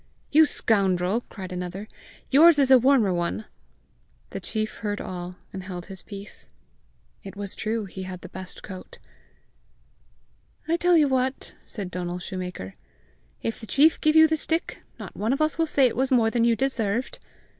"You scoundrel!" cried another; "yours is a warmer one!" The chief heard all, and held his peace. It was true he had the best coat! "I tell you what," said Donal shoemaker, "if the chief give you the stick, not one of us will say it was more than you deserved!